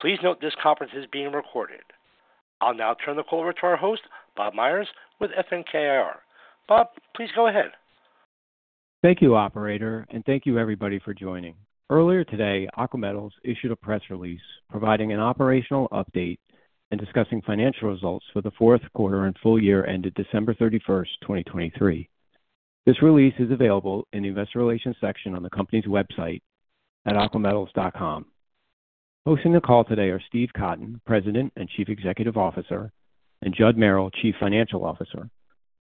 Please note this conference is being recorded. I'll now turn the call over to our host, Bob Meyers, with FNK IR. Bob, please go ahead. Thank you, operator, and thank you everybody for joining. Earlier today, Aqua Metals issued a press release providing an operational update and discussing financial results for the fourth quarter and full year ended December 31, 2023. This release is available in the investor relations section on the company's website at aquametals.com. Hosting the call today are Steve Cotton, President and Chief Executive Officer, and Judd Merrill, Chief Financial Officer.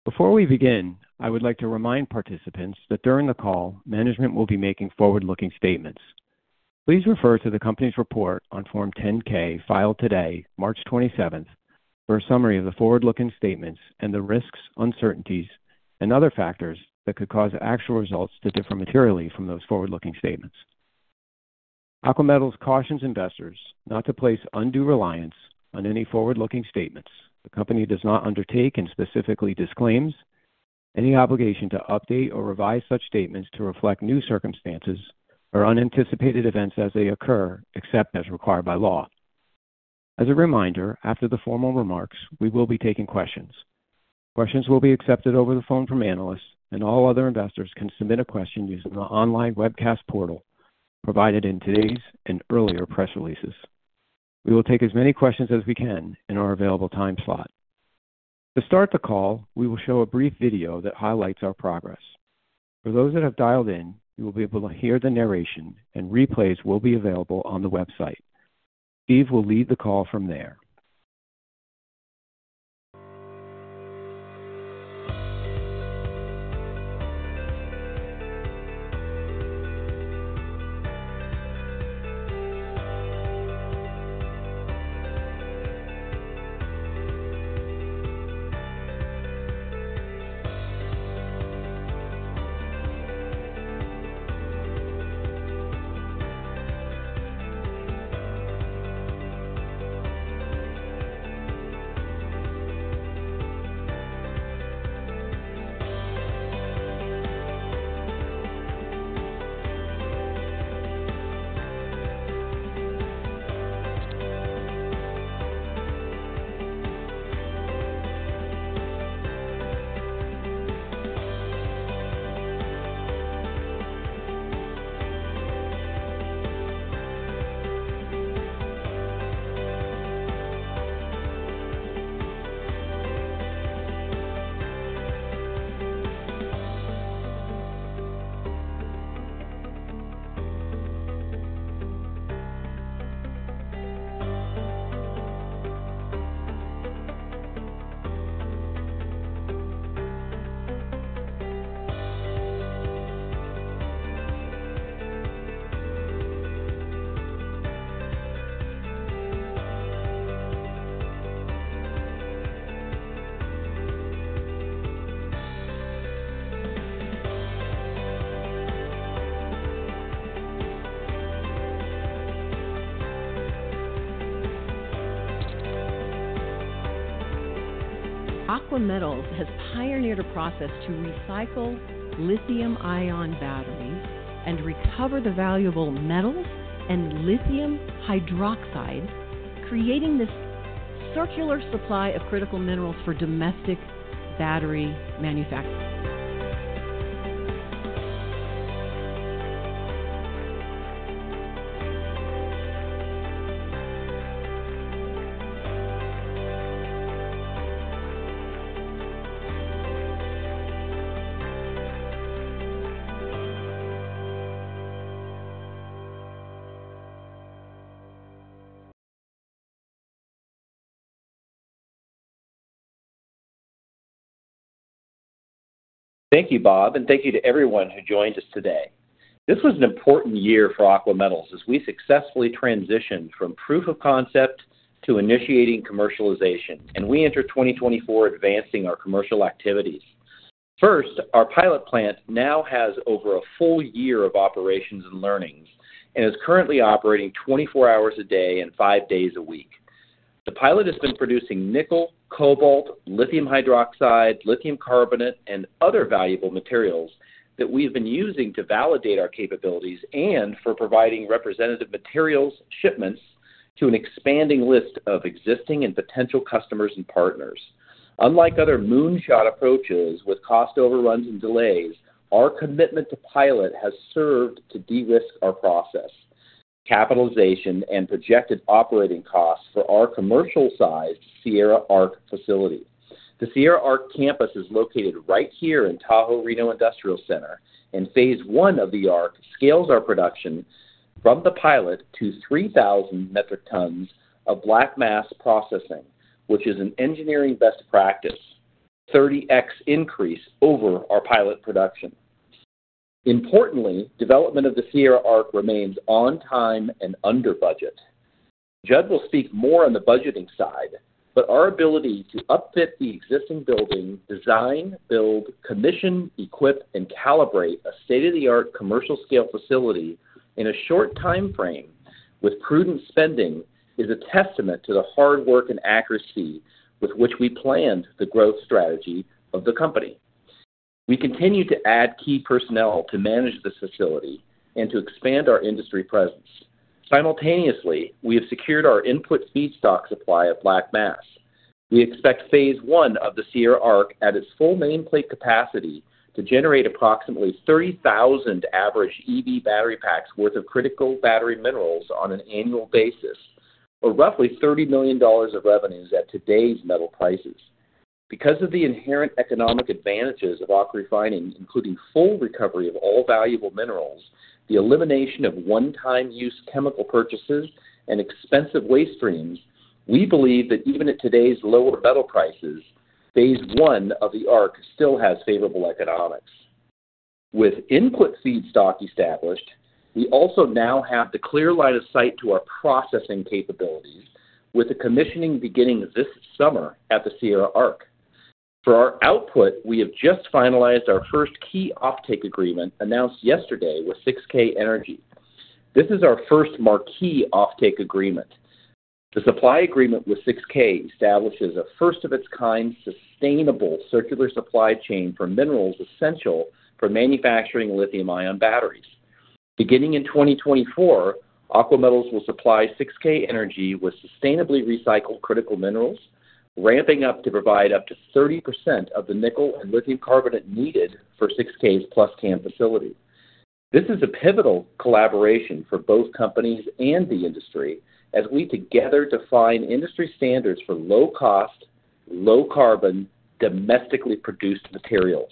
Before we begin, I would like to remind participants that during the call management will be making forward-looking statements. Please refer to the company's report on Form 10-K filed today, March 27, for a summary of the forward-looking statements and the risks, uncertainties, and other factors that could cause actual results to differ materially from those forward-looking statements. Aqua Metals cautions investors not to place undue reliance on any forward-looking statements. The company does not undertake and specifically disclaims any obligation to update or revise such statements to reflect new circumstances or unanticipated events as they occur, except as required by law. As a reminder, after the formal remarks, we will be taking questions. Questions will be accepted over the phone from analysts, and all other investors can submit a question using the online webcast portal provided in today's and earlier press releases. We will take as many questions as we can in our available time slot. To start the call, we will show a brief video that highlights our progress. For those that have dialed in, you will be able to hear the narration, and replays will be available on the website. Steve will lead the call from there. Aqua Metals has pioneered a process to recycle lithium-ion batteries and recover the valuable metals and lithium hydroxide, creating this circular supply of critical minerals for domestic battery manufacturing. Thank you, Bob, and thank you to everyone who joined us today. This was an important year for Aqua Metals as we successfully transitioned from proof of concept to initiating commercialization, and we enter 2024 advancing our commercial activities. First, our pilot plant now has over a full year of operations and learnings and is currently operating 24 hours a day and 5 days a week. The pilot has been producing nickel, cobalt, lithium hydroxide, lithium carbonate, and other valuable materials that we've been using to validate our capabilities and for providing representative materials shipments to an expanding list of existing and potential customers and partners. Unlike other moonshot approaches with cost overruns and delays, our commitment to pilot has served to de-risk our process, capitalization, and projected operating costs for our commercial-sized Sierra ARC facility. The Sierra ARC campus is located right here in Tahoe-Reno Industrial Center, and Phase 1 of the ARC scales our production from the pilot to 3,000 metric tons of black mass processing, which is an engineering best practice 30x increase over our pilot production. Importantly, development of the Sierra ARC remains on time and under budget. Judd will speak more on the budgeting side, but our ability to upfit the existing building, design, build, commission, equip, and calibrate a state-of-the-art commercial-scale facility in a short time frame with prudent spending is a testament to the hard work and accuracy with which we planned the growth strategy of the company. We continue to add key personnel to manage this facility and to expand our industry presence. Simultaneously, we have secured our input feedstock supply of black mass. We expect Phase 1 of the Sierra ARC at its full nameplate capacity to generate approximately 30,000 average EV battery packs' worth of critical battery minerals on an annual basis, or roughly $30 million of revenues at today's metal prices. Because of the inherent economic advantages of AquaRefining, including full recovery of all valuable minerals, the elimination of one-time-use chemical purchases, and expensive waste streams, we believe that even at today's lower metal prices, Phase 1 of the ARC still has favorable economics. With input feedstock established, we also now have the clear line of sight to our processing capabilities, with the commissioning beginning this summer at the Sierra ARC. For our output, we have just finalized our first key offtake agreement announced yesterday with 6K Energy. This is our first marquee offtake agreement. The supply agreement with 6K Energy establishes a first-of-its-kind sustainable circular supply chain for minerals essential for manufacturing lithium-ion batteries. Beginning in 2024, Aqua Metals will supply 6K Energy with sustainably recycled critical minerals, ramping up to provide up to 30% of the nickel and lithium carbonate needed for 6K Energy's PlusCAM facility. This is a pivotal collaboration for both companies and the industry as we together define industry standards for low-cost, low-carbon, domestically produced materials.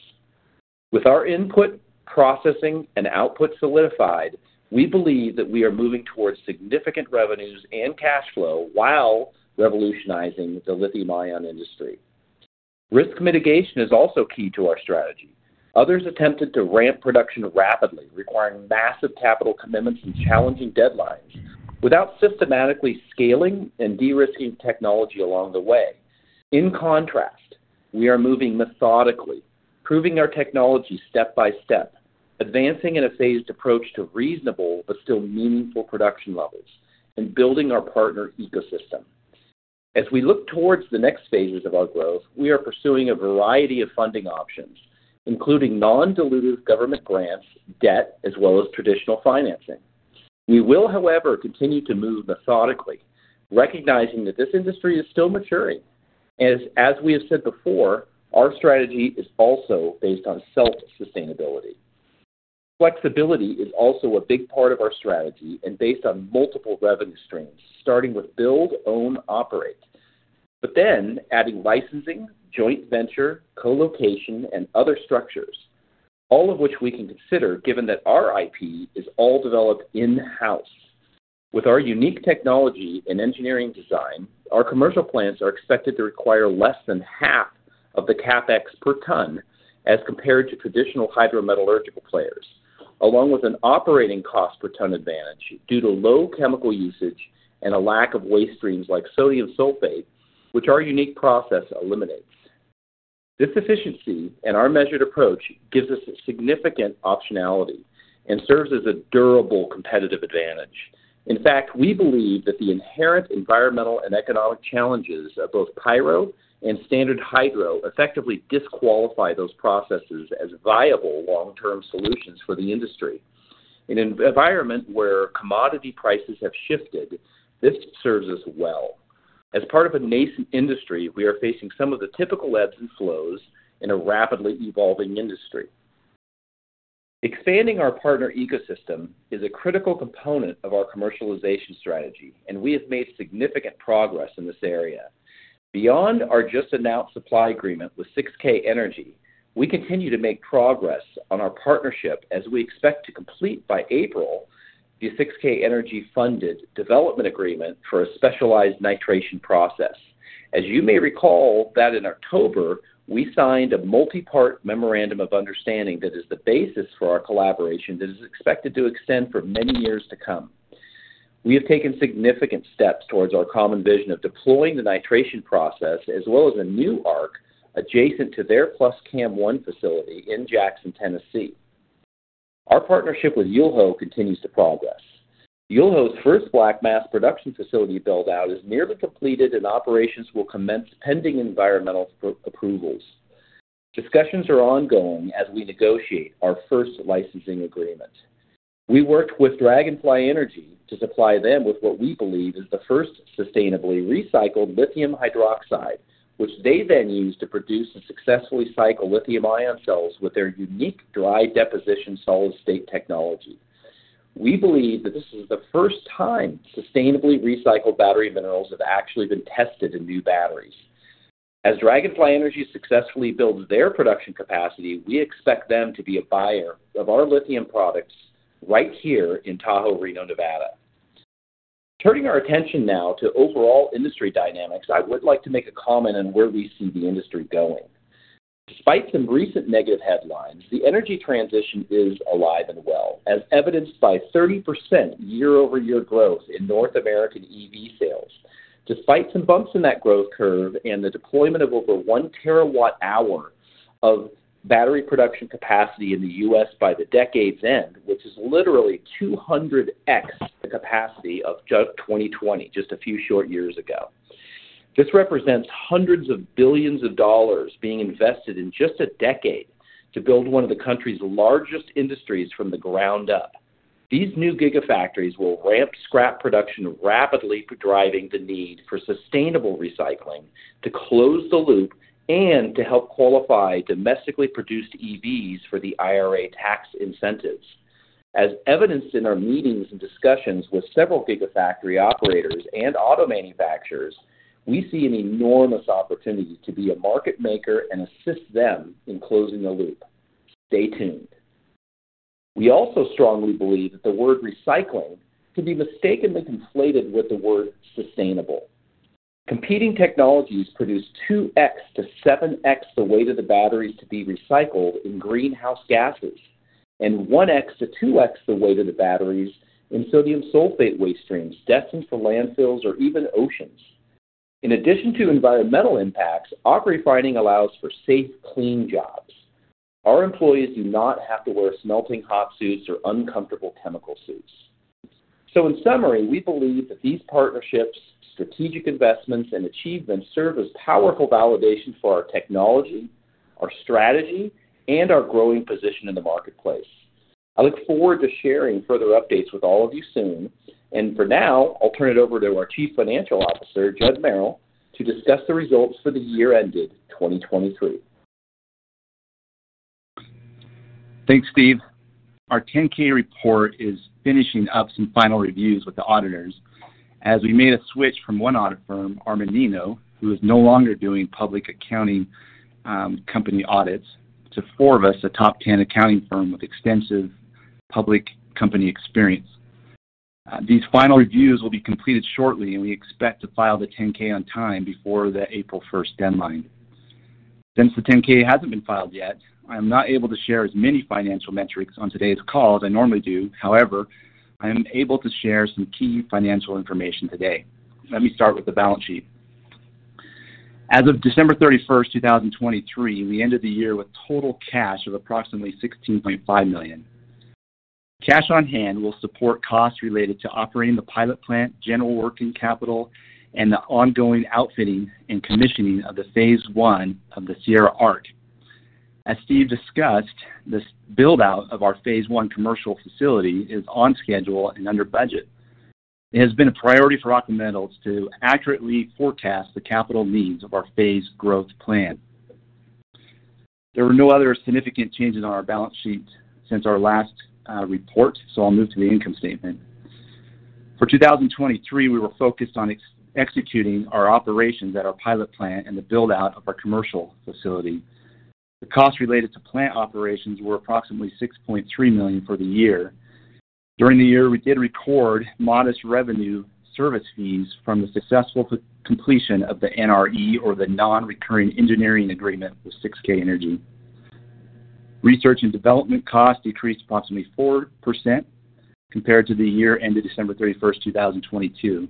With our input processing and output solidified, we believe that we are moving towards significant revenues and cash flow while revolutionizing the lithium-ion industry. Risk mitigation is also key to our strategy. Others attempted to ramp production rapidly, requiring massive capital commitments and challenging deadlines, without systematically scaling and de-risking technology along the way. In contrast, we are moving methodically, proving our technology step by step, advancing in a phased approach to reasonable but still meaningful production levels, and building our partner ecosystem. As we look toward the next phases of our growth, we are pursuing a variety of funding options, including non-dilutive government grants, debt, as well as traditional financing. We will, however, continue to move methodically, recognizing that this industry is still maturing. And as we have said before, our strategy is also based on self-sustainability. Flexibility is also a big part of our strategy and based on multiple revenue streams, starting with build, own, operate, but then adding licensing, joint venture, colocation, and other structures, all of which we can consider given that our IP is all developed in-house. With our unique technology and engineering design, our commercial plants are expected to require less than half of the CapEx per ton as compared to traditional hydrometallurgical players, along with an operating cost per ton advantage due to low chemical usage and a lack of waste streams like sodium sulfate, which our unique process eliminates. This efficiency and our measured approach gives us significant optionality and serves as a durable competitive advantage. In fact, we believe that the inherent environmental and economic challenges of both pyro and standard hydro effectively disqualify those processes as viable long-term solutions for the industry. In an environment where commodity prices have shifted, this serves us well. As part of a nascent industry, we are facing some of the typical ebbs and flows in a rapidly evolving industry. Expanding our partner ecosystem is a critical component of our commercialization strategy, and we have made significant progress in this area. Beyond our just-announced supply agreement with 6K Energy, we continue to make progress on our partnership as we expect to complete by April the 6K Energy-funded development agreement for a specialized nitration process. As you may recall, that in October, we signed a multi-part memorandum of understanding that is the basis for our collaboration that is expected to extend for many years to come. We have taken significant steps towards our common vision of deploying the nitration process as well as a new ARC adjacent to their PlusCAM facility in Jackson, Tennessee. Our partnership with Yulho continues to progress. Yulho's first black mass production facility build-out is nearly completed, and operations will commence pending environmental approvals. Discussions are ongoing as we negotiate our first licensing agreement. We worked with Dragonfly Energy to supply them with what we believe is the first sustainably recycled lithium hydroxide, which they then use to produce and successfully cycle lithium-ion cells with their unique dry deposition solid-state technology. We believe that this is the first time sustainably recycled battery minerals have actually been tested in new batteries. As Dragonfly Energy successfully builds their production capacity, we expect them to be a buyer of our lithium products right here in Tahoe-Reno, Nevada. Turning our attention now to overall industry dynamics, I would like to make a comment on where we see the industry going. Despite some recent negative headlines, the energy transition is alive and well, as evidenced by 30% year-over-year growth in North American EV sales. Despite some bumps in that growth curve and the deployment of over 1 terawatt-hour of battery production capacity in the U.S. by the decade's end, which is literally 200X the capacity of 2020, just a few short years ago, this represents hundreds of billions of dollars being invested in just a decade to build one of the country's largest industries from the ground up. These new gigafactories will ramp scrap production rapidly, driving the need for sustainable recycling to close the loop and to help qualify domestically produced EVs for the IRA tax incentives. As evidenced in our meetings and discussions with several gigafactory operators and auto manufacturers, we see an enormous opportunity to be a market maker and assist them in closing the loop. Stay tuned. We also strongly believe that the word recycling can be mistakenly conflated with the word sustainable. Competing technologies produce 2x-7x the weight of the batteries to be recycled in greenhouse gases and 1x-2x the weight of the batteries in sodium sulfate waste streams destined for landfills or even oceans. In addition to environmental impacts, AquaRefining allows for safe, clean jobs. Our employees do not have to wear smelting hot suits or uncomfortable chemical suits. So in summary, we believe that these partnerships, strategic investments, and achievements serve as powerful validation for our technology, our strategy, and our growing position in the marketplace. I look forward to sharing further updates with all of you soon. For now, I'll turn it over to our Chief Financial Officer, Judd Merrill, to discuss the results for the year ended 2023. Thanks, Steve. Our 10-K report is finishing up some final reviews with the auditors. As we made a switch from one audit firm, Armanino, who is no longer doing public accounting company audits, to Forvis, a top 10 accounting firm with extensive public company experience. These final reviews will be completed shortly, and we expect to file the 10-K on time before the April 1st deadline. Since the 10-K hasn't been filed yet, I am not able to share as many financial metrics on today's call as I normally do. However, I am able to share some key financial information today. Let me start with the balance sheet. As of December 31st, 2023, we ended the year with total cash of approximately $16.5 million. Cash on hand will support costs related to operating the pilot plant, general working capital, and the ongoing outfitting and commissioning of the Phase 1 of the Sierra ARC. As Steve discussed, the build-out of our Phase 1 commercial facility is on schedule and under budget. It has been a priority for Aqua Metals to accurately forecast the capital needs of our phase growth plan. There were no other significant changes on our balance sheet since our last report, so I'll move to the income statement. For 2023, we were focused on executing our operations at our pilot plant and the build-out of our commercial facility. The costs related to plant operations were approximately $6.3 million for the year. During the year, we did record modest revenue service fees from the successful completion of the NRE, or the Non-Recurring Engineering Agreement, with 6K Energy. Research and development costs decreased approximately 4% compared to the year ended December 31st, 2022.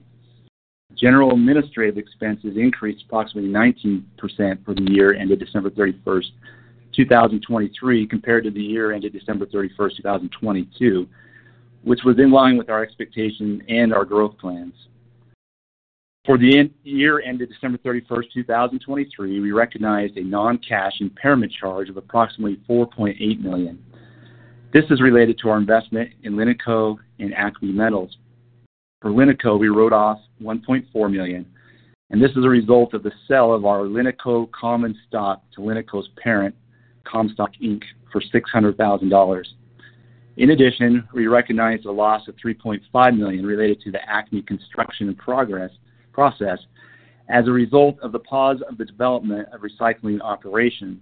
General administrative expenses increased approximately 19% for the year ended December 31st, 2023, compared to the year ended December 31st, 2022, which was in line with our expectations and our growth plans. For the year ended December 31st, 2023, we recognized a non-cash impairment charge of approximately $4.8 million. This is related to our investment in LiNiCo and ACME Metals. For LiNiCo, we wrote off $1.4 million, and this is a result of the sale of our LiNiCo Common Stock to LiNiCo's parent, Comstock Inc., for $600,000. In addition, we recognized a loss of $3.5 million related to the ACME construction process as a result of the pause of the development of recycling operations.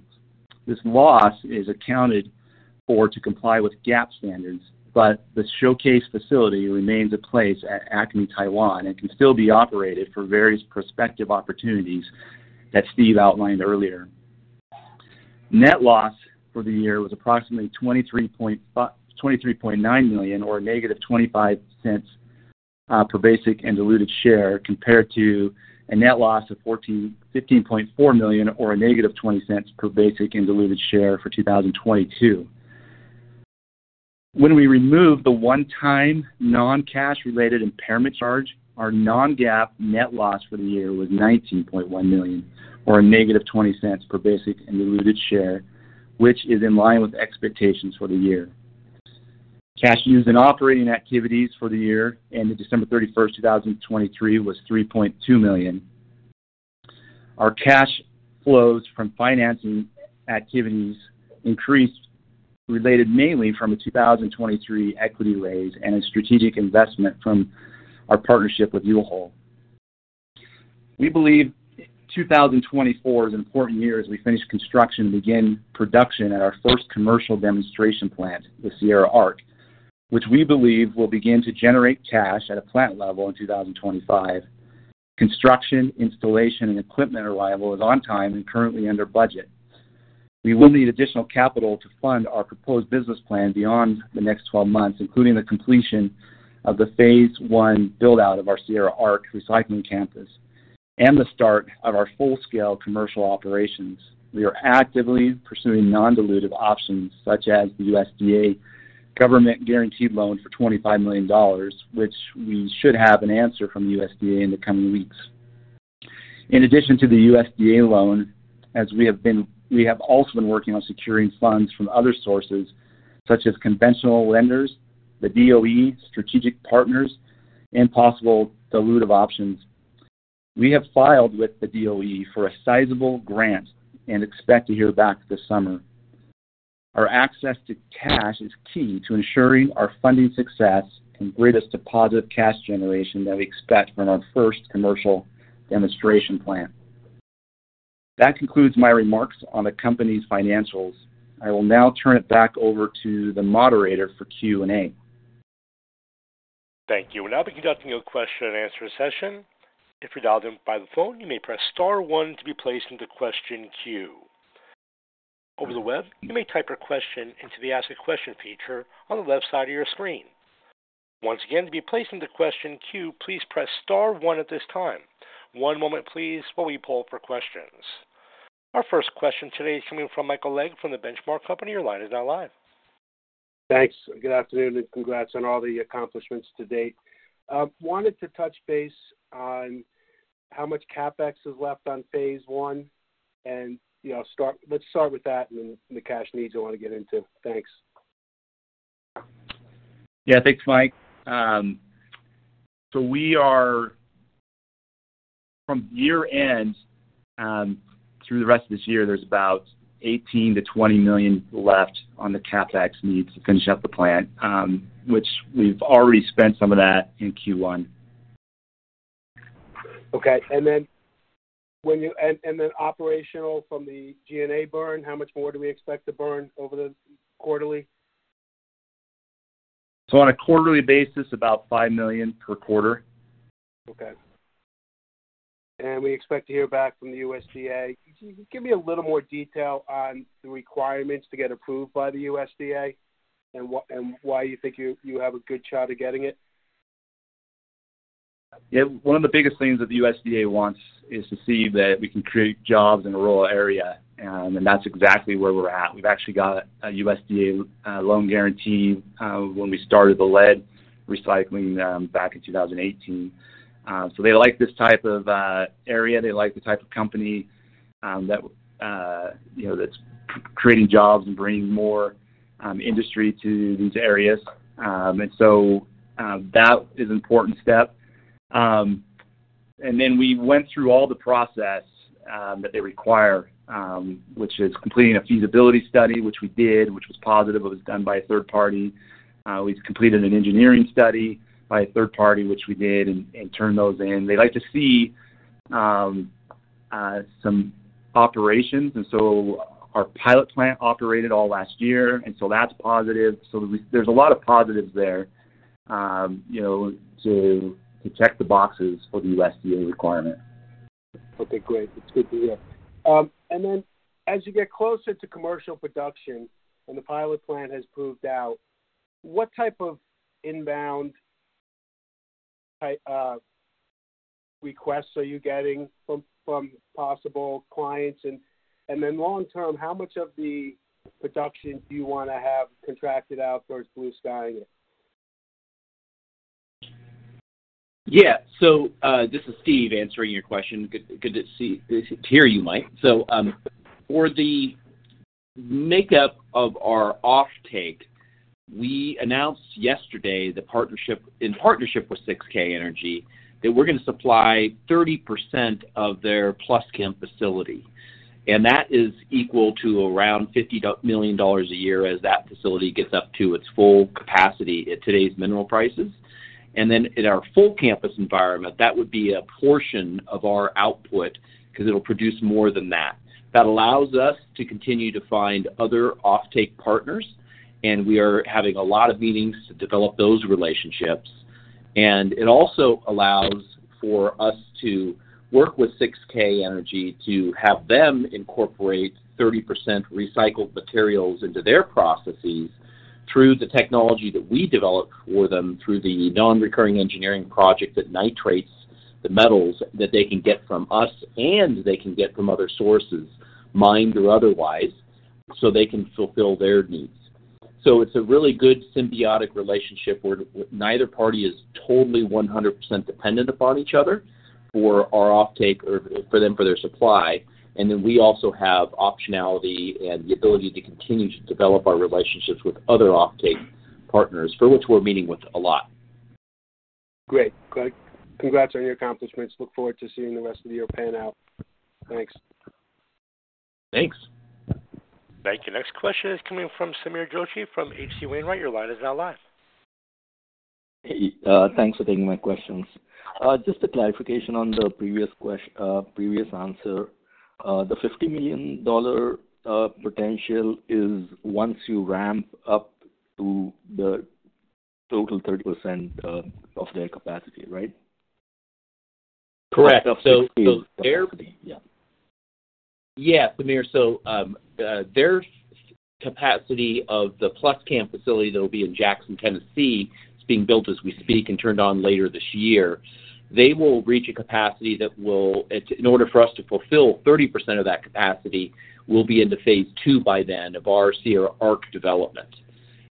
This loss is accounted for to comply with GAAP standards, but the showcase facility remains a place at ACME Taiwan and can still be operated for various prospective opportunities that Steve outlined earlier. Net loss for the year was approximately $23.9 million, or -$0.25 per basic and diluted share, compared to a net loss of $15.4 million, or -$0.20 per basic and diluted share for 2022. When we removed the one-time non-cash-related impairment charge, our non-GAAP net loss for the year was $19.1 million, or -$0.20 per basic and diluted share, which is in line with expectations for the year. Cash used in operating activities for the year ended December 31st, 2023, was $3.2 million. Our cash flows from financing activities increased related mainly from a 2023 equity raise and a strategic investment from our partnership with Yulho. We believe 2024 is an important year as we finish construction and begin production at our first commercial demonstration plant, the Sierra ARC, which we believe will begin to generate cash at a plant level in 2025. Construction, installation, and equipment arrival is on time and currently under budget. We will need additional capital to fund our proposed business plan beyond the next 12 months, including the completion of the Phase 1 build-out of our Sierra ARC recycling campus and the start of our full-scale commercial operations. We are actively pursuing non-dilutive options such as the USDA government guaranteed loan for $25 million, which we should have an answer from the USDA in the coming weeks. In addition to the USDA loan, as we have also been working on securing funds from other sources such as conventional lenders, the DOE, strategic partners, and possible dilutive options, we have filed with the DOE for a sizable grant and expect to hear back this summer. Our access to cash is key to ensuring our funding success and greatest deposit of cash generation that we expect from our first commercial demonstration plant. That concludes my remarks on the company's financials. I will now turn it back over to the moderator for Q&A. Thank you. We'll now be conducting a question-and-answer session. If you're dialed in by the phone, you may press star 1 to be placed into question queue. Over the web, you may type your question into the Ask a Question feature on the left side of your screen. Once again, to be placed into question queue, please press star 1 at this time. One moment, please, while we pull up our questions. Our first question today is coming from Michael Legg from The Benchmark Company. Your line is now live. Thanks. Good afternoon and congrats on all the accomplishments to date. Wanted to touch base on how much CapEx is left on Phase 1 and let's start with that and then the cash needs I want to get into. Thanks. Yeah. Thanks, Mike. So from year-end through the rest of this year, there's about $18-20 million left on the CapEx needs to finish up the plant, which we've already spent some of that in Q1. Okay. And then operational from the G&A burn, how much more do we expect to burn over the quarterly? On a quarterly basis, about $5 million per quarter. Okay. We expect to hear back from the USDA. Can you give me a little more detail on the requirements to get approved by the USDA and why you think you have a good shot at getting it? Yeah. One of the biggest things that the USDA wants is to see that we can create jobs in a rural area, and that's exactly where we're at. We've actually got a USDA loan guarantee when we started the lead recycling back in 2018. So they like this type of area. They like the type of company that's creating jobs and bringing more industry to these areas. And so that is an important step. And then we went through all the process that they require, which is completing a feasibility study, which we did, which was positive. It was done by a third party. We completed an engineering study by a third party, which we did, and turned those in. They like to see some operations. And so our pilot plant operated all last year, and so that's positive. There's a lot of positives there to check the boxes for the USDA requirement. Okay. Great. That's good to hear. And then as you get closer to commercial production and the pilot plant has proved out, what type of inbound requests are you getting from possible clients? And then long-term, how much of the production do you want to have contracted out towards blue-skying it? Yeah. So this is Steve answering your question. Good to hear you, Mike. So for the makeup of our offtake, we announced yesterday in partnership with 6K Energy that we're going to supply 30% of their PlusCAM facility. And that is equal to around $50 million a year as that facility gets up to its full capacity at today's mineral prices. And then in our full campus environment, that would be a portion of our output because it'll produce more than that. That allows us to continue to find other offtake partners, and we are having a lot of meetings to develop those relationships. It also allows for us to work with 6K Energy to have them incorporate 30% recycled materials into their processes through the technology that we develop for them through the non-recurring engineering project that nitrates the metals that they can get from us, and they can get from other sources, mined or otherwise, so they can fulfill their needs. So it's a really good symbiotic relationship where neither party is totally 100% dependent upon each other for our offtake for them, for their supply. We also have optionality and the ability to continue to develop our relationships with other offtake partners, for which we're meeting with a lot. Great. Congrats on your accomplishments. Look forward to seeing the rest of the year pan out. Thanks. Thanks. Thank you. Next question is coming from Sameer Joshi from H.C. Wainwright. Your line is now live. Thanks for taking my questions. Just a clarification on the previous answer. The $50 million potential is once you ramp up to the total 30% of their capacity, right? Correct. Their capacity yeah. Yeah, Samir. So their capacity of the PlusCAM facility that'll be in Jackson, Tennessee, is being built as we speak and turned on later this year. They will reach a capacity that will in order for us to fulfill 30% of that capacity, we'll be into Phase 2 by then of our Sierra ARC development.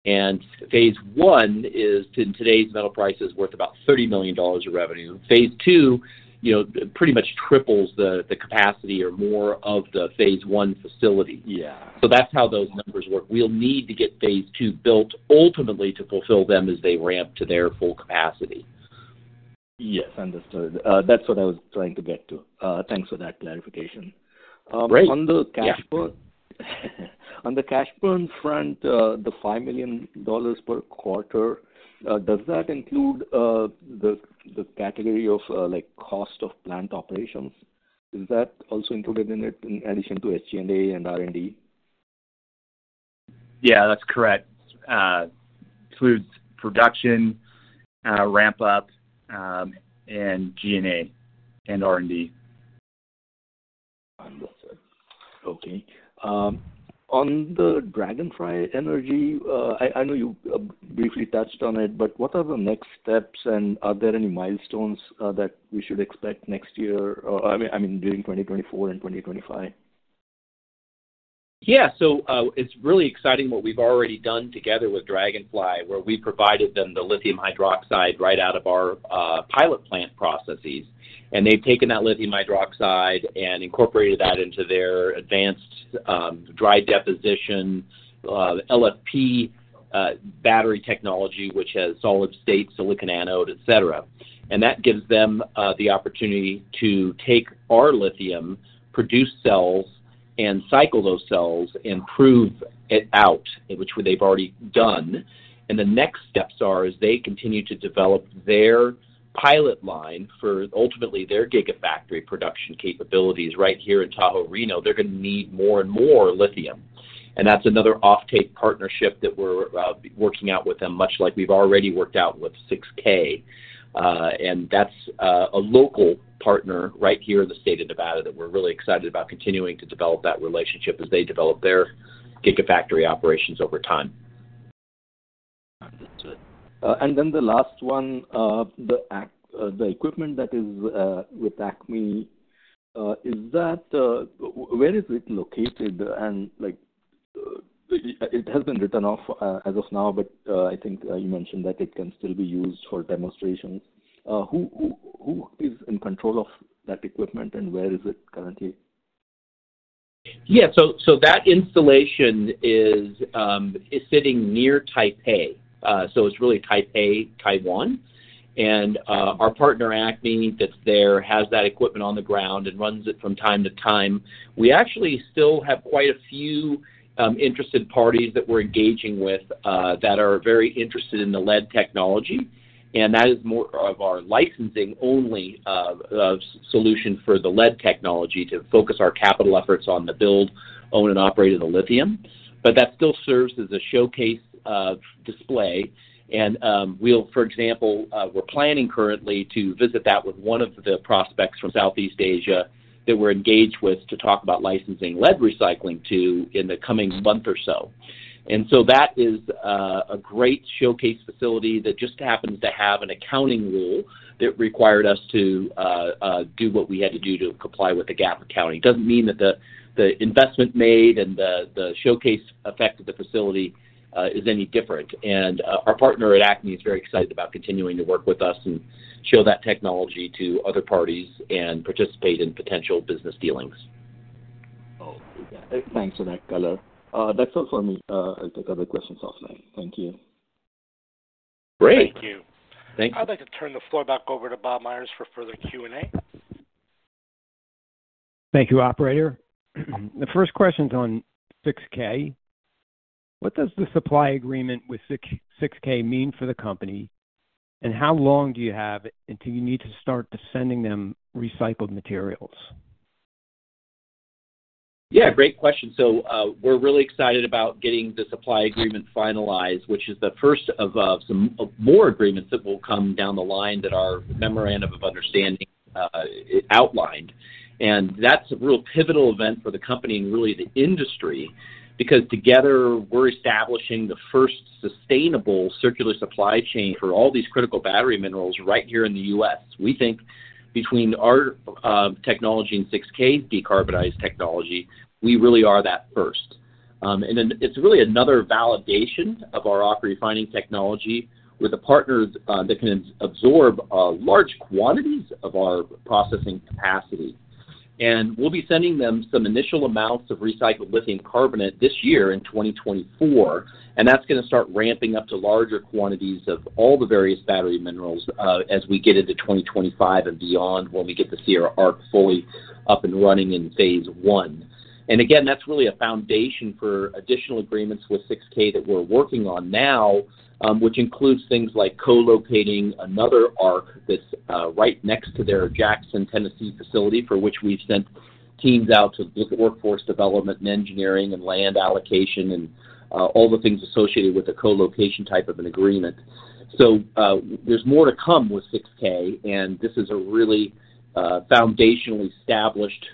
And Phase 1 is, in today's metal prices, worth about $30 million of revenue. Phase 2 pretty much triples the capacity or more of the Phase 1 facility. So that's how those numbers work. We'll need to get Phase 2 built ultimately to fulfill them as they ramp to their full capacity. Yes. Understood. That's what I was trying to get to. Thanks for that clarification. On the cash burn front, the $5 million per quarter, does that include the category of cost of plant operations? Is that also included in it in addition to SG&A and R&D? Yeah. That's correct. It includes production, ramp-up, and G&A and R&D. Understood. Okay. On the Dragonfly Energy, I know you briefly touched on it, but what are the next steps, and are there any milestones that we should expect next year or I mean, during 2024 and 2025? Yeah. So it's really exciting what we've already done together with Dragonfly, where we provided them the lithium hydroxide right out of our pilot plant processes. And they've taken that lithium hydroxide and incorporated that into their advanced dry deposition LFP battery technology, which has solid-state silicon anode, etc. And that gives them the opportunity to take our lithium, produce cells, and cycle those cells and prove it out, which they've already done. And the next steps are as they continue to develop their pilot line for ultimately their gigafactory production capabilities right here in Tahoe, Reno. They're going to need more and more lithium. And that's another offtake partnership that we're working out with them, much like we've already worked out with 6K. That's a local partner right here in the state of Nevada that we're really excited about continuing to develop that relationship as they develop their gigafactory operations over time. Understood. And then the last one, the equipment that is with ACME, where is it located? And it has been written off as of now, but I think you mentioned that it can still be used for demonstrations. Who is in control of that equipment, and where is it currently? Yeah. So that installation is sitting near Taipei. So it's really Taipei, Taiwan. And our partner ACME that's there has that equipment on the ground and runs it from time to time. We actually still have quite a few interested parties that we're engaging with that are very interested in the lead technology. And that is more of our licensing-only solution for the lead technology to focus our capital efforts on the build, own, and operate of the lithium. But that still serves as a showcase display. And for example, we're planning currently to visit that with one of the prospects from Southeast Asia that we're engaged with to talk about licensing lead recycling to in the coming month or so. And so that is a great showcase facility that just happens to have an accounting rule that required us to do what we had to do to comply with the GAAP accounting. It doesn't mean that the investment made and the showcase effect of the facility is any different. And our partner at ACME is very excited about continuing to work with us and show that technology to other parties and participate in potential business dealings. Oh, yeah. Thanks for that color. That's all for me. I'll take other questions offline. Thank you. Great. Thank you. Thanks. I'd like to turn the floor back over to Bob Meyers for further Q&A. Thank you, operator. The first question's on 6K. What does the supply agreement with 6K mean for the company, and how long do you have until you need to start sending the recycled materials? Yeah. Great question. So we're really excited about getting the supply agreement finalized, which is the first of some more agreements that will come down the line that our memorandum of understanding outlined. And that's a real pivotal event for the company and really the industry because together, we're establishing the first sustainable circular supply chain for all these critical battery minerals right here in the U.S. We think between our technology and 6K's decarbonized technology, we really are that first. And then it's really another validation of our AquaRefining technology with a partner that can absorb large quantities of our processing capacity. And we'll be sending them some initial amounts of recycled lithium carbonate this year in 2024. That's going to start ramping up to larger quantities of all the various battery minerals as we get into 2025 and beyond when we get the Sierra ARC fully up and running in Phase 1. And again, that's really a foundation for additional agreements with 6K that we're working on now, which includes things like co-locating another ARC that's right next to their Jackson, Tennessee facility, for which we've sent teams out to look at workforce development and engineering and land allocation and all the things associated with a co-location type of an agreement. So there's more to come with 6K, and this is a really foundationally established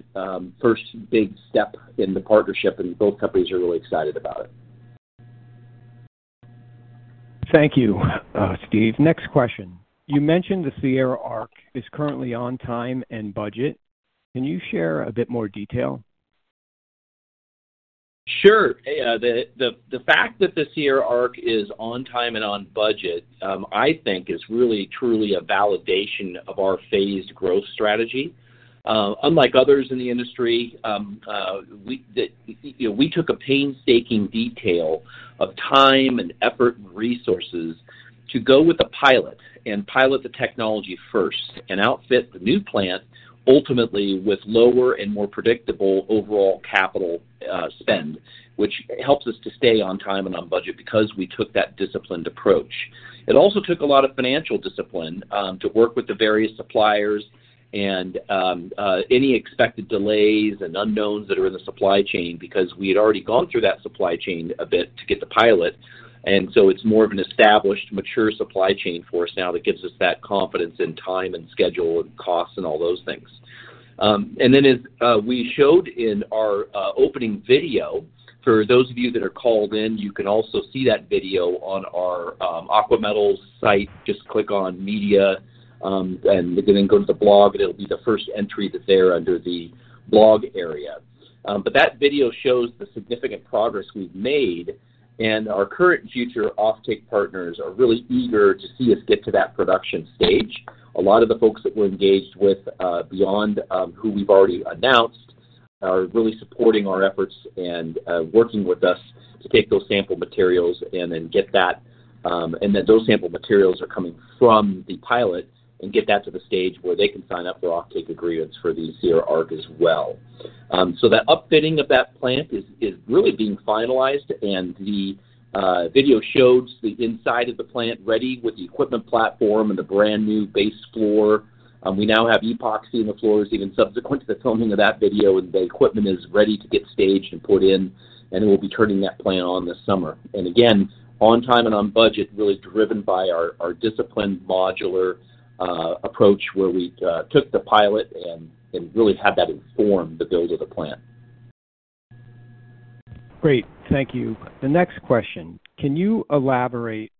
first big step in the partnership, and both companies are really excited about it. Thank you, Steve. Next question. You mentioned the Sierra ARC is currently on time and budget. Can you share a bit more detail? Sure. The fact that the Sierra ARC is on time and on budget, I think, is really, truly a validation of our phased growth strategy. Unlike others in the industry, we took a painstaking detail of time and effort and resources to go with a pilot and pilot the technology first and outfit the new plant ultimately with lower and more predictable overall capital spend, which helps us to stay on time and on budget because we took that disciplined approach. It also took a lot of financial discipline to work with the various suppliers and any expected delays and unknowns that are in the supply chain because we had already gone through that supply chain a bit to get the pilot. And so it's more of an established, mature supply chain for us now that gives us that confidence in time and schedule and costs and all those things. Then as we showed in our opening video, for those of you that are called in, you can also see that video on our Aqua Metals site. Just click on media, and you can then go to the blog, and it'll be the first entry that's there under the blog area. But that video shows the significant progress we've made, and our current future offtake partners are really eager to see us get to that production stage. A lot of the folks that we're engaged with, beyond who we've already announced, are really supporting our efforts and working with us to take those sample materials and then get that and that those sample materials are coming from the pilot and get that to the stage where they can sign up for offtake agreements for the Sierra ARC as well. That upfitting of that plant is really being finalized, and the video shows the inside of the plant ready with the equipment platform and the brand new base floor. We now have epoxy in the floors even subsequent to the filming of that video, and the equipment is ready to get staged and put in, and we'll be turning that plant on this summer. Again, on time and on budget, really driven by our disciplined modular approach where we took the pilot and really had that inform the build of the plant. Great. Thank you. The next question. Can you elaborate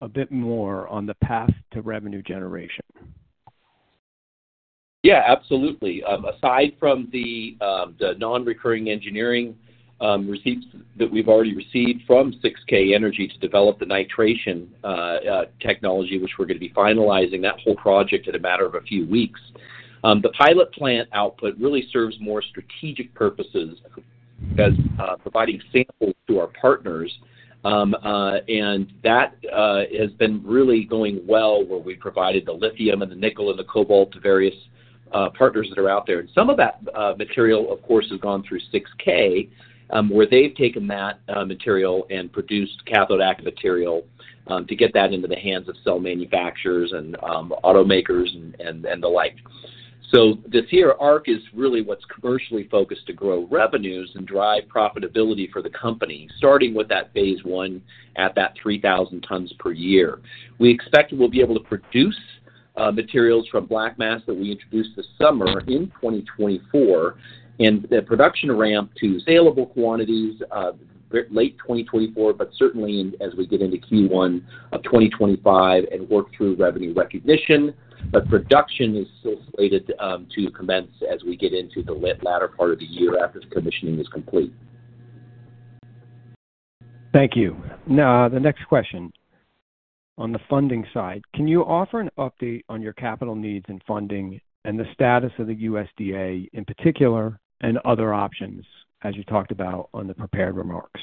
a bit more on the path to revenue generation? Yeah. Absolutely. Aside from the Non-Recurring Engineering receipts that we've already received from 6K Energy to develop the nitration technology, which we're going to be finalizing that whole project in a matter of a few weeks, the pilot plant output really serves more strategic purposes as providing samples to our partners. And that has been really going well where we've provided the lithium and the nickel and the cobalt to various partners that are out there. And some of that material, of course, has gone through 6K, where they've taken that material and produced cathode active material to get that into the hands of cell manufacturers and automakers and the like. So the Sierra ARC is really what's commercially focused to grow revenues and drive profitability for the company, starting with that Phase 1 at that 3,000 tons per year. We expect we'll be able to produce materials from black mass that we introduce this summer in 2024 and the production ramp to saleable quantities late 2024, but certainly as we get into Q1 of 2025 and work through revenue recognition. But production is still slated to commence as we get into the latter part of the year after commissioning is complete. Thank you. Now, the next question. On the funding side, can you offer an update on your capital needs and funding and the status of the USDA in particular and other options, as you talked about on the prepared remarks?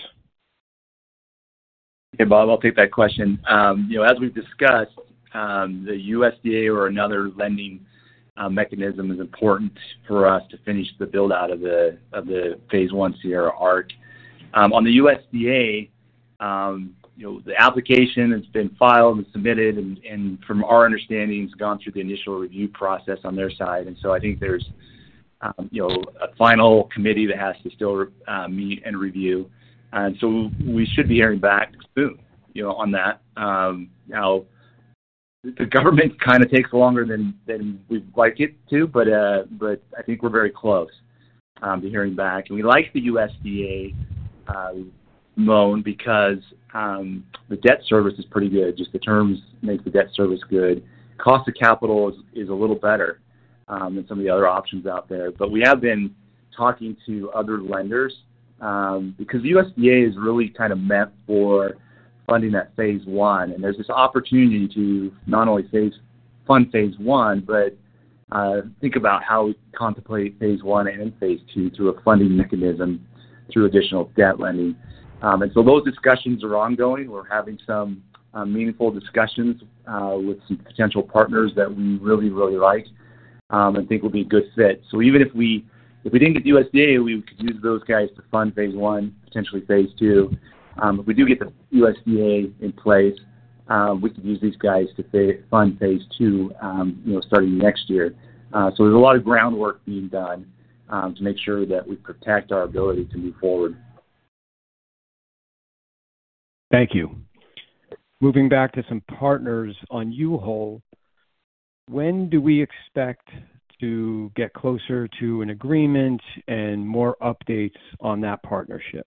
Okay, Bob. I'll take that question. As we've discussed, the USDA or another lending mechanism is important for us to finish the build-out of the Phase 1 Sierra ARC. On the USDA, the application has been filed and submitted, and from our understanding, it's gone through the initial review process on their side. And so I think there's a final committee that has to still meet and review. And so we should be hearing back soon on that. Now, the government kind of takes longer than we'd like it to, but I think we're very close to hearing back. And we like the USDA loan because the debt service is pretty good. Just the terms make the debt service good. Cost of capital is a little better than some of the other options out there. But we have been talking to other lenders because the USDA is really kind of meant for funding that Phase 1. And there's this opportunity to not only fund Phase 1 but think about how we contemplate Phase 1 and Phase 2 through a funding mechanism, through additional debt lending. And so those discussions are ongoing. We're having some meaningful discussions with some potential partners that we really, really like and think will be a good fit. So even if we didn't get the USDA, we could use those guys to fund Phase 1, potentially Phase 2. If we do get the USDA in place, we could use these guys to fund Phase 2 starting next year. So there's a lot of groundwork being done to make sure that we protect our ability to move forward. Thank you. Moving back to some partners on Yulho, when do we expect to get closer to an agreement and more updates on that partnership?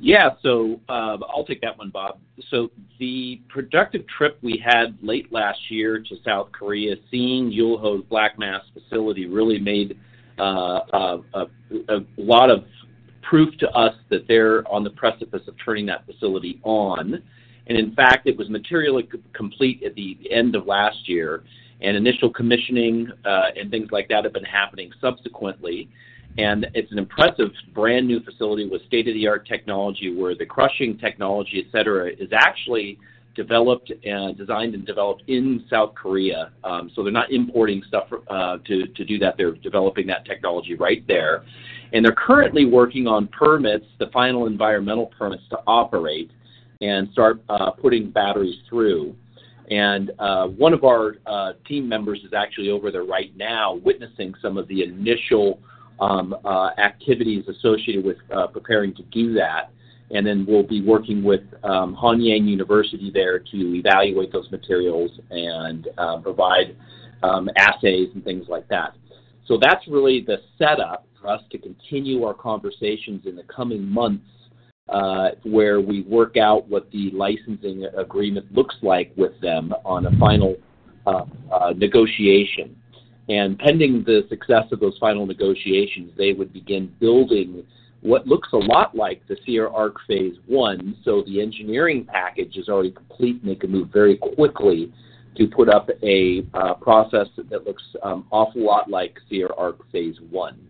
Yeah. So I'll take that one, Bob. So the productive trip we had late last year to South Korea seeing Yulho's black mass facility really made a lot of proof to us that they're on the precipice of turning that facility on. And in fact, it was materially complete at the end of last year. And initial commissioning and things like that have been happening subsequently. And it's an impressive brand new facility with state-of-the-art technology where the crushing technology, etc., is actually designed and developed in South Korea. So they're not importing stuff to do that. They're developing that technology right there. And they're currently working on permits, the final environmental permits to operate and start putting batteries through. And one of our team members is actually over there right now witnessing some of the initial activities associated with preparing to do that. Then we'll be working with Hanyang University there to evaluate those materials and provide assays and things like that. So that's really the setup for us to continue our conversations in the coming months where we work out what the licensing agreement looks like with them on a final negotiation. Pending the success of those final negotiations, they would begin building what looks a lot like the Sierra ARC Phase 1. So the engineering package is already complete. They can move very quickly to put up a process that looks an awful lot like Sierra ARC Phase 1.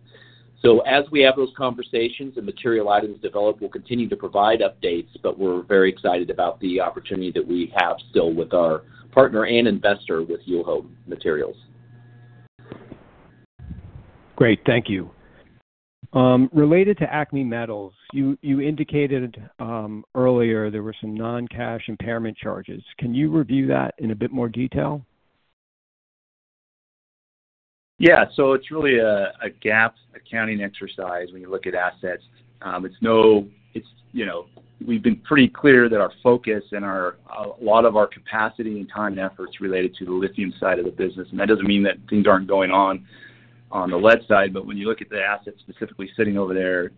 So as we have those conversations and material items develop, we'll continue to provide updates, but we're very excited about the opportunity that we have still with our partner and investor with Yulho Materials. Great. Thank you. Related to ACME Metals, you indicated earlier there were some non-cash impairment charges. Can you review that in a bit more detail? Yeah. So it's really a gap accounting exercise when you look at assets. It's, no, we've been pretty clear that our focus and a lot of our capacity and time and efforts related to the lithium side of the business and that doesn't mean that things aren't going on the lead side. But when you look at the assets specifically sitting over there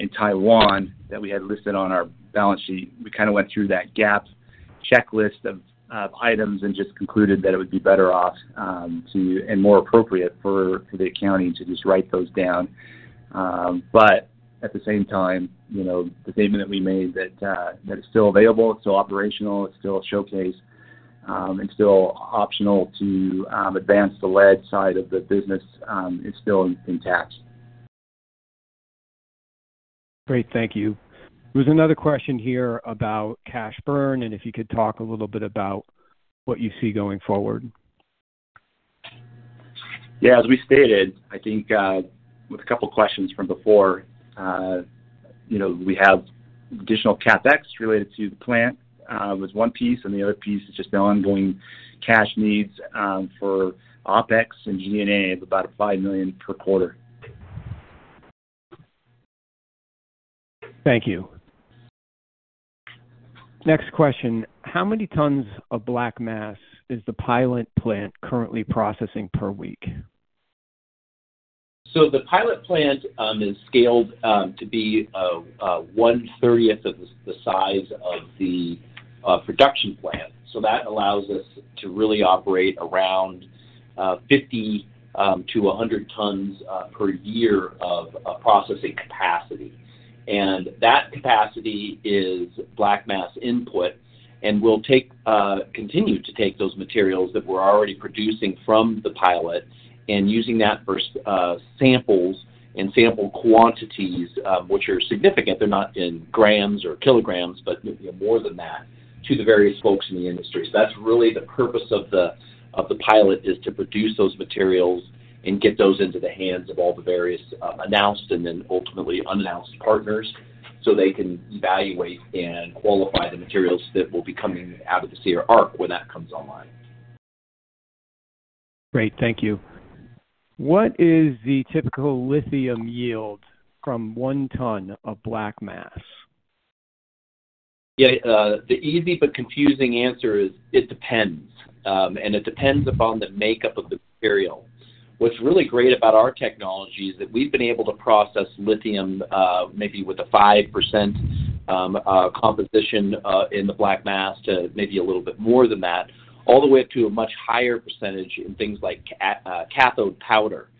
in Taiwan that we had listed on our balance sheet, we kind of went through that gap checklist of items and just concluded that it would be better off and more appropriate for the accounting to just write those down. But at the same time, the statement that we made that it's still available, it's still operational, it's still a showcase, and still optional to advance the lead side of the business is still intact. Great. Thank you. There was another question here about cash burn and if you could talk a little bit about what you see going forward. Yeah. As we stated, I think with a couple of questions from before, we have additional CapEx related to the plant was one piece, and the other piece is just the ongoing cash needs for OpEx and G&A of about $5 million per quarter. Thank you. Next question. How many tons of black mass is the pilot plant currently processing per week? So the pilot plant is scaled to be 1/30th of the size of the production plant. So that allows us to really operate around 50-100 tons per year of processing capacity. And that capacity is black mass input and will continue to take those materials that we're already producing from the pilot and using that for samples and sample quantities, which are significant. They're not in grams or kilograms but more than that, to the various folks in the industry. So that's really the purpose of the pilot, is to produce those materials and get those into the hands of all the various announced and then ultimately unannounced partners so they can evaluate and qualify the materials that will be coming out of the Sierra ARC when that comes online. Great. Thank you. What is the typical lithium yield from 1 ton of black mass? Yeah. The easy but confusing answer is it depends. And it depends upon the makeup of the material. What's really great about our technology is that we've been able to process lithium maybe with a 5% composition in the black mass to maybe a little bit more than that, all the way up to a much higher percentage in things like cathode powder.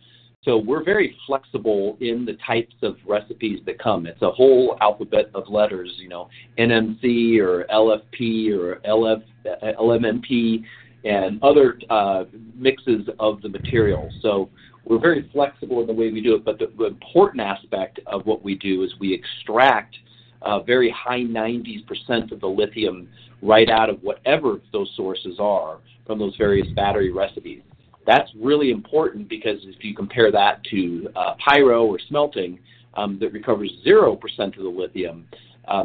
So we're very flexible in the types of recipes that come. It's a whole alphabet of letters, NMC or LFP or LMFP and other mixes of the materials. So we're very flexible in the way we do it. But the important aspect of what we do is we extract very high 90% of the lithium right out of whatever those sources are from those various battery recipes. That's really important because if you compare that to pyro or smelting that recovers 0% of the lithium,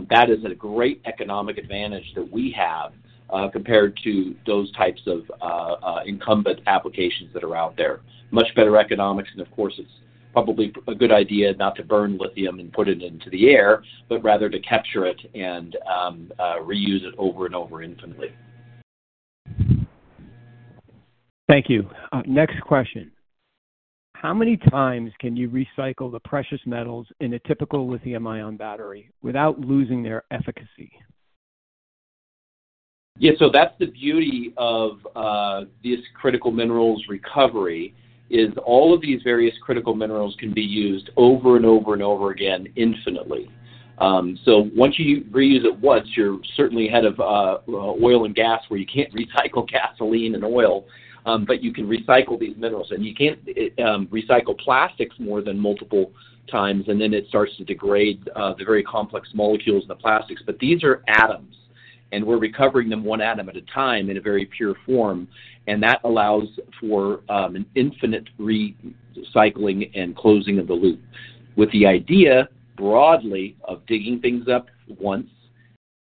that is a great economic advantage that we have compared to those types of incumbent applications that are out there. Much better economics. And of course, it's probably a good idea not to burn lithium and put it into the air but rather to capture it and reuse it over and over infinitely. Thank you. Next question. How many times can you recycle the precious metals in a typical lithium-ion battery without losing their efficacy? Yeah. So that's the beauty of this critical minerals recovery, is all of these various critical minerals can be used over and over and over again infinitely. So once you reuse it once, you're certainly ahead of oil and gas where you can't recycle gasoline and oil, but you can recycle these minerals. And you can't recycle plastics more than multiple times, and then it starts to degrade the very complex molecules in the plastics. But these are atoms, and we're recovering them one atom at a time in a very pure form. And that allows for infinite recycling and closing of the loop with the idea broadly of digging things up once,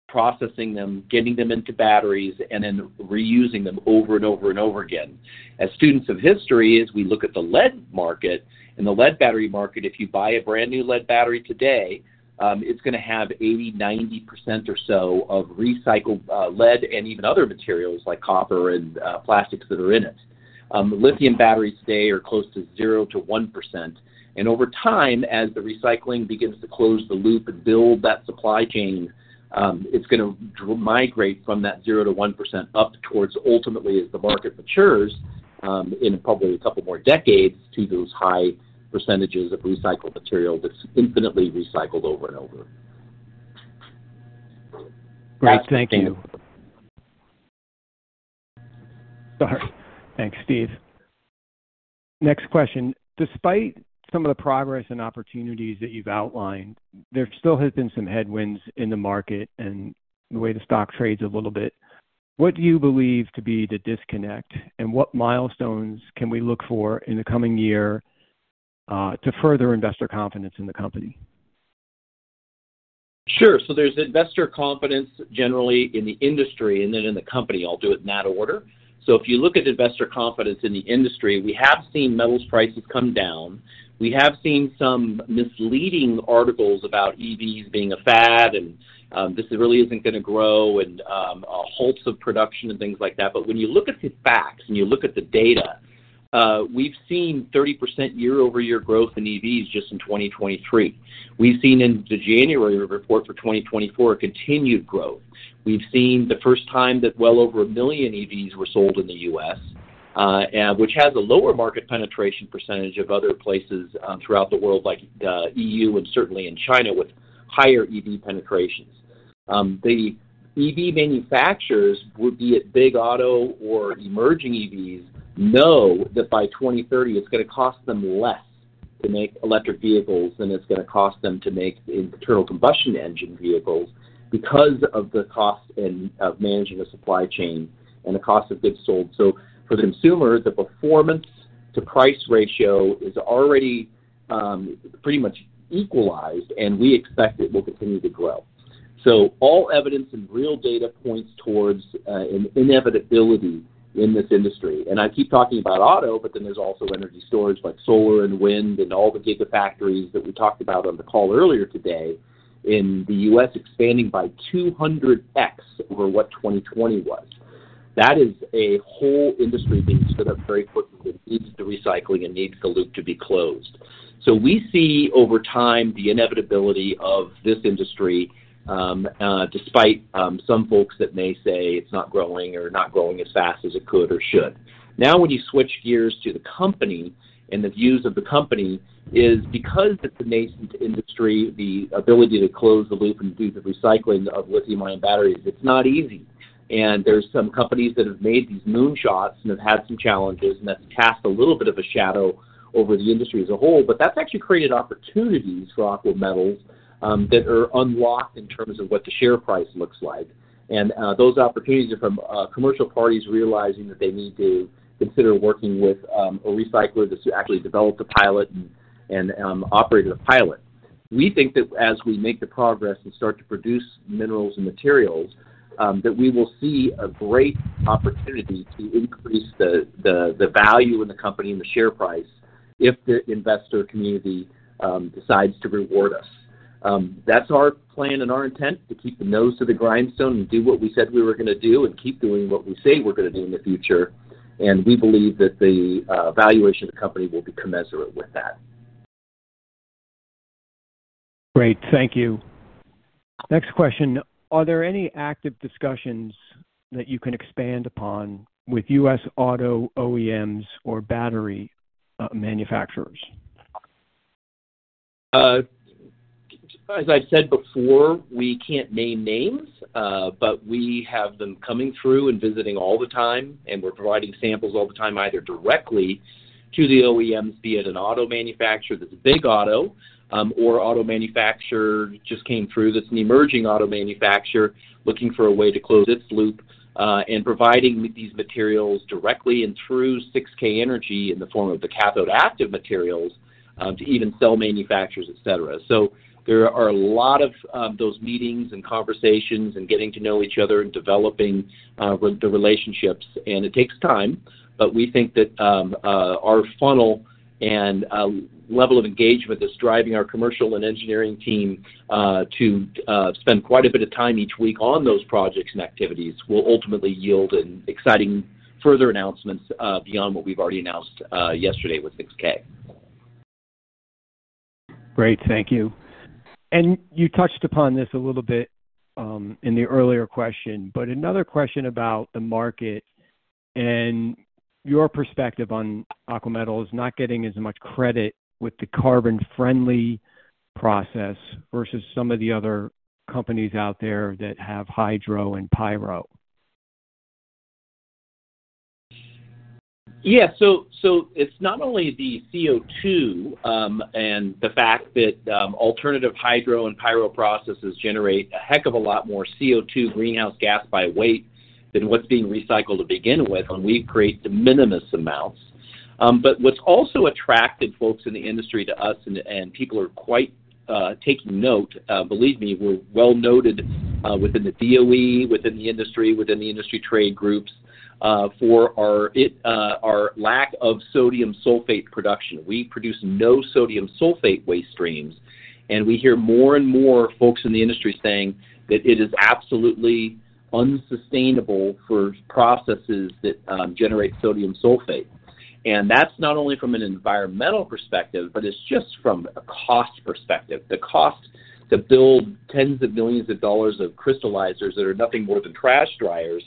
processing them, getting them into batteries, and then reusing them over and over and over again. As students of history, as we look at the lead market, in the lead battery market, if you buy a brand new lead battery today, it's going to have 80%-90% or so of recycled lead and even other materials like copper and plastics that are in it. Lithium batteries today are close to 0%-1%. Over time, as the recycling begins to close the loop and build that supply chain, it's going to migrate from that 0%-1% up towards ultimately, as the market matures in probably a couple more decades, to those high percentages of recycled material that's infinitely recycled over and over. Great. Thank you. Sorry. Thanks, Steve. Next question. Despite some of the progress and opportunities that you've outlined, there still has been some headwinds in the market and the way the stock trades a little bit. What do you believe to be the disconnect, and what milestones can we look for in the coming year to further investor confidence in the company? Sure. So there's investor confidence generally in the industry and then in the company. I'll do it in that order. So if you look at investor confidence in the industry, we have seen metals prices come down. We have seen some misleading articles about EVs being a fad and this really isn't going to grow and halts of production and things like that. But when you look at the facts and you look at the data, we've seen 30% year-over-year growth in EVs just in 2023. We've seen in the January report for 2024 continued growth. We've seen the first time that well over a million EVs were sold in the U.S., which has a lower market penetration percentage of other places throughout the world like the E.U. and certainly in China with higher EV penetrations. The EV manufacturers, be it big auto or emerging EVs, know that by 2030, it's going to cost them less to make electric vehicles than it's going to cost them to make internal combustion engine vehicles because of the cost of managing the supply chain and the cost of goods sold. So for the consumer, the performance-to-price ratio is already pretty much equalized, and we expect it will continue to grow. So all evidence and real data points toward an inevitability in this industry. And I keep talking about auto, but then there's also energy storage like solar and wind and all the gigafactories that we talked about on the call earlier today in the U.S. expanding by 200x over what 2020 was. That is a whole industry being stood up very quickly that needs the recycling and needs the loop to be closed. So we see over time the inevitability of this industry despite some folks that may say it's not growing or not growing as fast as it could or should. Now, when you switch gears to the company and the views of the company, is because it's a nascent industry, the ability to close the loop and do the recycling of lithium-ion batteries, it's not easy. And there's some companies that have made these moonshots and have had some challenges, and that's cast a little bit of a shadow over the industry as a whole. But that's actually created opportunities for Aqua Metals that are unlocked in terms of what the share price looks like. And those opportunities are from commercial parties realizing that they need to consider working with a recycler that's actually developed the pilot and operated a pilot. We think that as we make the progress and start to produce minerals and materials, that we will see a great opportunity to increase the value in the company and the share price if the investor community decides to reward us. That's our plan and our intent, to keep the nose to the grindstone and do what we said we were going to do and keep doing what we say we're going to do in the future. We believe that the valuation of the company will be commensurate with that. Great. Thank you. Next question. Are there any active discussions that you can expand upon with US auto OEMs or battery manufacturers? As I've said before, we can't name names, but we have them coming through and visiting all the time, and we're providing samples all the time either directly to the OEMs, be it an auto manufacturer that's a big auto or auto manufacturer just came through that's an emerging auto manufacturer looking for a way to close its loop, and providing these materials directly and through 6K Energy in the form of the cathode active materials to even cell manufacturers, etc. So there are a lot of those meetings and conversations and getting to know each other and developing the relationships. It takes time, but we think that our funnel and level of engagement that's driving our commercial and engineering team to spend quite a bit of time each week on those projects and activities will ultimately yield exciting further announcements beyond what we've already announced yesterday with 6K. Great. Thank you. You touched upon this a little bit in the earlier question, but another question about the market and your perspective on Aqua Metals not getting as much credit with the carbon-friendly process versus some of the other companies out there that have hydro and pyro. Yeah. So it's not only the CO2 and the fact that alternative hydro and pyro processes generate a heck of a lot more CO2 greenhouse gas by weight than what's being recycled to begin with, and we create the minimum amounts. But what's also attracted folks in the industry to us, and people are quite taking note, believe me, we're well-noted within the DOE, within the industry, within the industry trade groups for our lack of sodium sulfate production. We produce no sodium sulfate waste streams, and we hear more and more folks in the industry saying that it is absolutely unsustainable for processes that generate sodium sulfate. And that's not only from an environmental perspective, but it's just from a cost perspective. The cost to build $10s of millions of crystallizers that are nothing more than trash dryers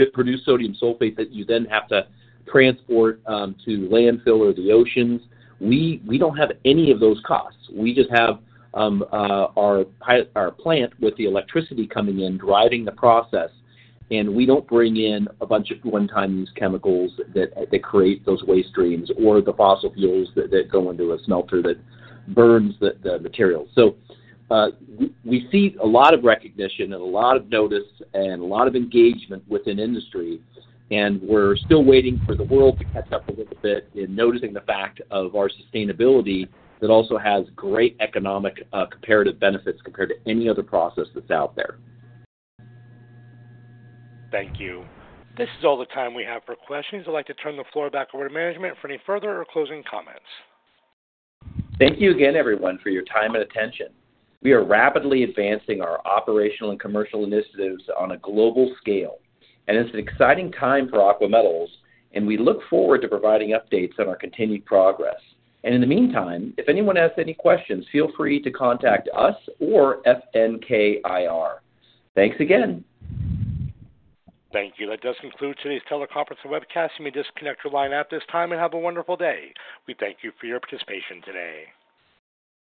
that produce sodium sulfate that you then have to transport to landfill or the oceans, we don't have any of those costs. We just have our plant with the electricity coming in driving the process, and we don't bring in a bunch of one-time-use chemicals that create those waste streams or the fossil fuels that go into a smelter that burns the materials. We see a lot of recognition and a lot of notice and a lot of engagement within industry, and we're still waiting for the world to catch up a little bit in noticing the fact of our sustainability that also has great economic comparative benefits compared to any other process that's out there. Thank you. This is all the time we have for questions. I'd like to turn the floor back over to management for any further or closing comments. Thank you again, everyone, for your time and attention. We are rapidly advancing our operational and commercial initiatives on a global scale, and it's an exciting time for Aqua Metals, and we look forward to providing updates on our continued progress. In the meantime, if anyone has any questions, feel free to contact us or FNKIR. Thanks again. Thank you. That does conclude today's teleconference and webcast. You may disconnect your line at this time and have a wonderful day. We thank you for your participation today.